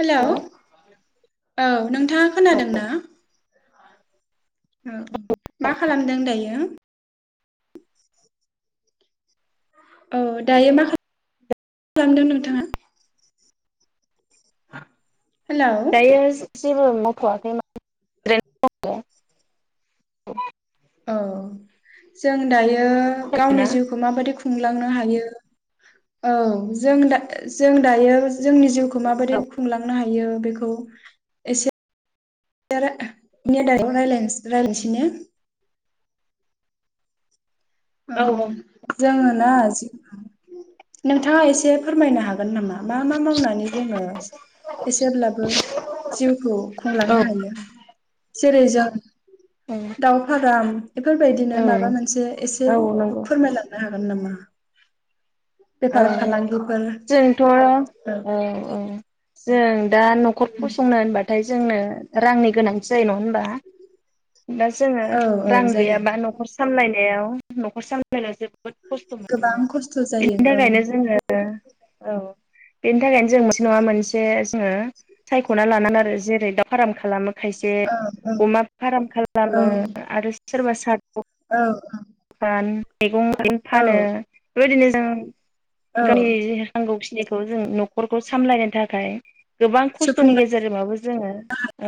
Hello hello औ नोंथाङा औ खोनादों ना औ औ मा खालामदों दायो औ दायो मा खालामदों नोंथाङा हेलौ दायो जेबो मावथयाखैमोन ओरैनो दंङ औ जों दायो गावनि ना? जिउखौ माबायदि खुं खुंलांनो हायो औ जों जों दायो जोंनि जिउखौ माबायदि औ खुंलांनो हायो बेखौ एसे [unintelligible] रायज्लायनोसै ने औ ओं जोङो ना जि नोंथाङा एसे फोरमायनो हागोन नामा मा मा मावनानै जोंङो एसेब्लाबो जिउखौ औ खुंलांनो हायो जेरै जों दाव फाराम [unintelligible] औ एसे औ नंगौ फोरमायलांनो हागोन हागोन नामा बेफार औ फालांगिफोर जोंथ' औ औ जों दा न'खर फसंनो होनबाथाय जोंनो रांनि गोनांथि जायो नङा होमबा दा जोङो औ औ रां जायो गैयाबा न'खर सामलायनाय हायाव न'खर सामलायना जोब गोबां खस्थ' जायो औ थाखायनो जोङो औ बेनि थाखायनो जों ङो सायख'ना लागोन आरो जेरै दाउ फार्म खालामो खायसे औ औ अमा फार्म खालामो आरो सोरबा सा औ औ दान मैगं थायगं औ फानो बेबायदिनो जों ओं औ गावनि नांगौ खिनिखौ जों न'खर खौ सामलायनो थाखाय गोबां खस्थ'नि सुफुंनांगौ गेजेरजोंबाबो जोङो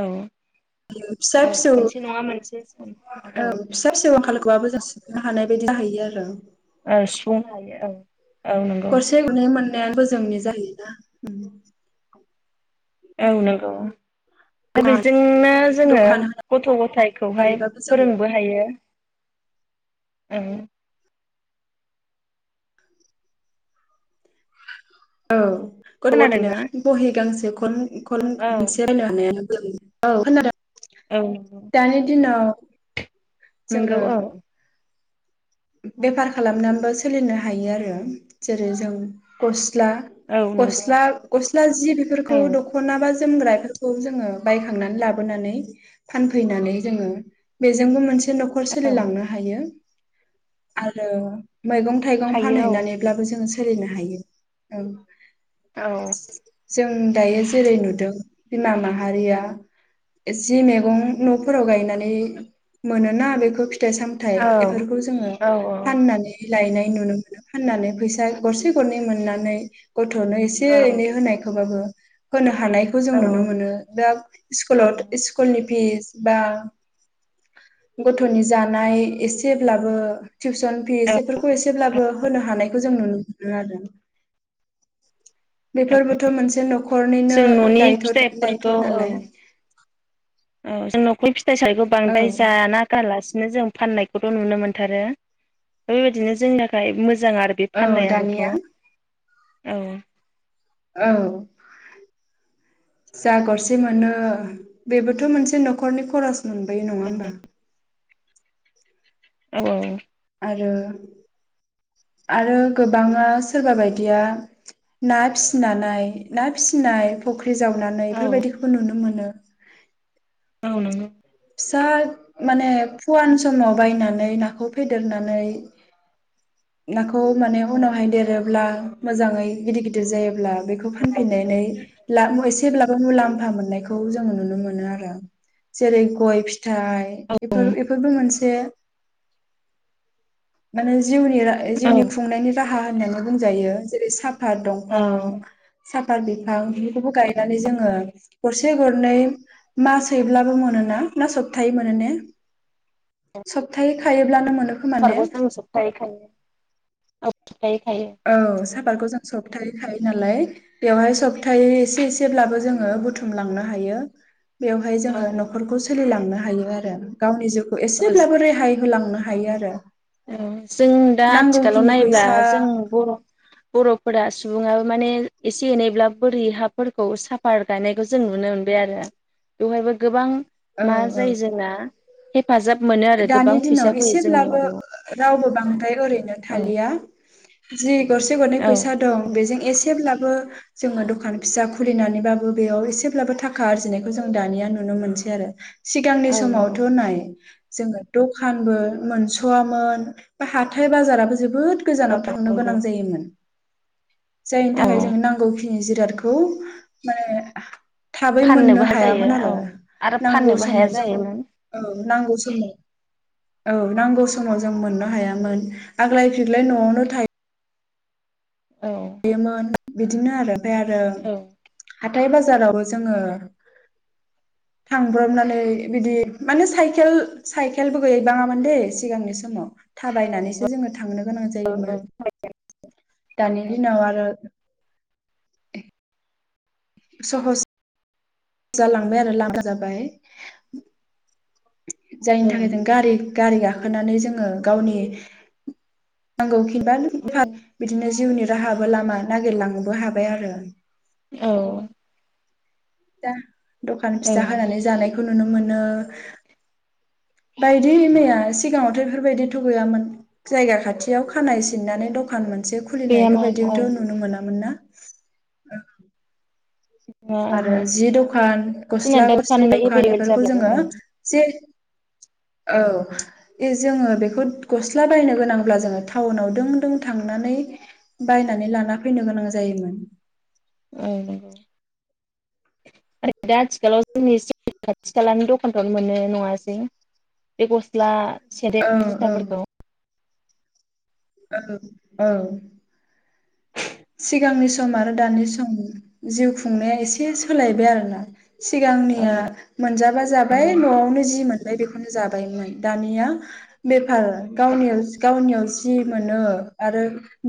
औ फिसा औ फिसौ मोनसे नङा मोनसे सम औ फिसा फिसौ आंखालखौबाबो जों हानाय बायदि जाहोयो आरो औ सुफुंनो हायो औ औ नंगौ जोंनि जायोना औ नंगौ दा दखान बेजोंनो जोङो दखान गथ' गथायखौहाय होनानैबाबो जों फोरोंबो हायो। ओं औ गथ' खोनादोंना? गथायनो बहि गांसे खन कलम औ मोनसे बायनोहानायानो औ खोनादों? दानि दिनाव जोङो नोंगौ औ बेफार खालामनानैबो सोलिनो हायो आरो जेरै जों खस ला औ नंगौ गस्ला गस्ला जि बेफोरखौ औ दखना बा जोमग्राफोरखौ जोङो बायखांनानै लाबोनानै फानफैनानै जोङो बेजोंबो मोनसे न'खर सोलिलांनो हायो। आरो मैगं थाइगं हायो फानहैनानैब्लाबो जोङो सोलिनो हायो। औ औ जों दायो जेरै नुदों बिमा माहारिया जि मैगं न'फोराव गायनानै मोनोना बेखौ फि थाइ सामथाइ औ एफोरखौ जोङो औ फाननानै लायनाय नुनो मोनो फाननानै फैसा गरसे गरनै मोननानै गथ'नो एसे औ एनै होनायखौबाबो होनो हानायखौ जों नुनो मोनो दा सिक्ल औ सिक्लनि फिस बा गथ'नि जानाय एसेब्लाबो टिउसन फिस बेफोरखौ एसेब्लाबो होनो हानायखौ जों नुनो मोनो आरो। बेफोरबोथ मोनसे न'खरनिनो जों न'नि दायथ' फिथाइफोरखौ दायथ' औ नालाय औ जों नखर फि फिथाइ सायखौ औ बांद्राय जाना गारलासे जों फाननायखौथ जों नुनो मोनथारो बेबायदिनो जोंनि थाखाय मोजां आरो बे औ फाननायाबोथ'। दानिया औ औ जा गरसे मोनो बेबोथ' मोनसे नखरनि खरस मोनबोयो नङा होमबा? औ आरो गोबाङा सोरबा बायदिया ना फिसिनानै ना फिनाय फख्रि जावनानै औ बेफोरबायदिखौबो नुनो मोनो। [unintelligible] औ नोंगौ। फिसा माने फुवान समाव बायनानै नाखौ फेदेरनानै नाखौ खौ माने औ उनावहाय देरोब्ला मोजाङै गिदिर गिदिर जायोब्ला बेखौ फानफिननानै लासे जेब्लाबो मुलाम्फा मोननायखौ जोङो नुनो मोनो आरो जेरै गय। फिथाइ बेफोर औ बेफोरबो मोनसे माने जिउनि औ जिउनि खुंनायनि राहा होननानै बुंजायो जेरै सा फाद दंफां औ साफ [inaudible] बिफां बेफोरखौबो गायनानै जोङो गरसे गरनै मास सैब्लाबो मोनोना। ना सप्ताहै मोनो ने सप्तै खायोब्लानो मोन समबारबो जों सप्थायाहैखायो! औ साफाखौ जों सप्ताहैखायो नालाय बेवहाय सब्तै एसे एसेब्लाबो जोङो बुथुम लांनो हायो। बेवहाय जोङो औ नखरखौ सोलिलांनो आरो गावनि जिउ एसेब्लाबो रेहाय होलांनो हायो आरो। औ जों दा आथिखालाव नांगौखिनि नायोब्ला फैसा जों बर' बर'फोरा सुबुआ माने एसे एनैब्ला बोरि हाफोरखौ साफात गायनायखौ जों नुनो मोनबाय आरो बेवहायबो गोबां औ मा औ जायो जोंना हेफाजाब मोनो आरो गोबां दानि दिनाव फैसा फैयो एसेब्लाबो जोंनियाव बबेयाव रावबो बांद्राय ओरैनो थालिया जि गरसे औ फैसा दं बेजों एसे ब्लाबो ओ जोङो दखान फिसा खुलिनानैबाबो बेयाव एसेब्लाबो थाखा आरजिनायखौ जों दानिया नुनो मोनसै सै आरो। सिगांनि नंगौ समावथ नाय जोङो दखानबो मोनसवामोन बा हाथाय बाजाराबो जोबोद गोजानाव थांनो गोनां नंगौ जायोमोन जायनि औ थाखाय जोंङो नांगौ खि नि जिरादखौ माने थाबै मोननो फाननोबो हाया हायामोन जायो आरो औ आरो नांगौ फाननोबो हाया समाव जों जायोमोन औ नांगौ समाव औ नांगौ समाव जों मोननो हायामोन आग्लाय फिग्लाय नआवनो थायो औ बे मोन बि बिदिनो आरो ओमफाय आरो औ हाथाय बाजारावबो जोङो थांब्रबनानै बिदि माने साइखकेल साइकेलबो गैयैबाङामोन दैे सिगांनि समाव थाबायनानैसो जोंङो थांनो गोनां जायोमोन दानि [unintelligible] सहज जालांबाय आरो लामा जाबाय औ जायनि थाखाय जों गारि गारि गाखोनानै जोङो गावनि नांगौ खिनबा [inaudible] बिदिनो जिउनि राहाबो लामा नागिरलांनोबो हाबाय आरो औ दा दखान फिथा नंगौ होनानै जानायखौ नुनो मोनो बिदिनो बायदि मैया सिगाङावथ बेफोरबायदिथ गैयामोन जायगा खाथियाव खानाय सिननानै दखानमोन मोनसे खुलिनाय गैयामोन औ बेफोरबायदिबोथ नुनो मोनामोन ना औ आरो ओहो जि दखान जोंना गस्ला दा गस्लि होनबा दखान एभेलेबेल एफोरखौ जाबाय आरो जोंङो जे औ ए जोङो बेफोद गस्ला बायनो गोनांब्ला जोंङो टाउनाव दों दों थांनानै बायनानै लाना फैनो गोनां जायोमोन ओं नोंगौ दा आथिखालाव जोंनि खाथि खालानि दखानफ्रावनो मोनो नंङासै बे गस्ला सेरे औ औ जुथाफोरखौ औ औ सिगांनि सम आरो दानि सम जिउ खुंनाया एसे सोलायबाय आरोना औ सिगांनिया मोनजाबा जाबाय नंगौ न'आवनो जि मोनबाय बेखौ नो जाबायमोन दानिया बे कार गावनियाव गावनिउस दि मोनो आरो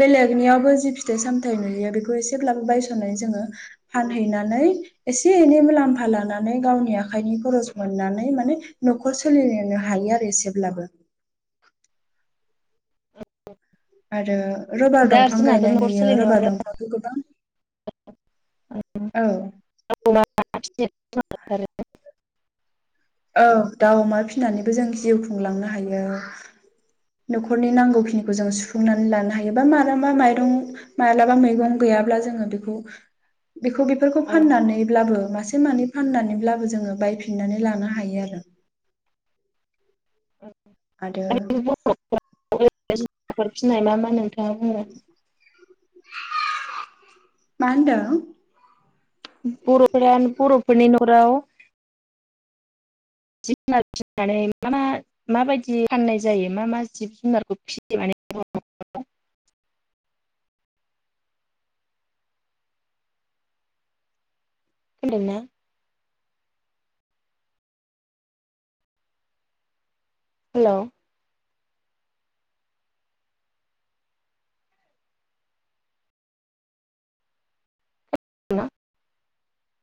बेलेगनियावबो जि फि थाइ सामथाय नुयो बेखौ एसेब्लाबो बायस'नानै जोङो फानहैनानै एसे एनै मुलाम्फा लानानै गावनि आखाइनि खरस मोननानै माने नख खर सोलिनो हायो आरो एसेब्लाबो उम आरो रबार दंफां जोंनाथ' गायनाय न'खर नुयो सोलिनायाव रबार आरो दंफांथ' गोबां औ [unintelligible] औ दाउ अमा फिनानैबो जों जिउ खुंलांनो हायो। नखरनि नांगौ खिनिखौ जों सुफुंनानै लानो हायो बा मारामा माइरं मालाबा मैगं गैयाब्ला जोङो बेखौ बेखौ बेफोरखौ ओं फाननानैब्लाबो मास नानै फाननानैब्लाबो जोङो बायफिननानै लानो हा हायो आरो आरो [inaudible] आफोर फिनाय मा मा नोंथां [unintelligible] मा होनदों बर'फोरा बर'फोरनि न'खराव जिब जुनार फिनानै मा मा माबायदि फाननाय जायो मा मा जिब जुनारखौ फिसियो माने बर'फोरा खोनादों ना हेलौ [unintelligible]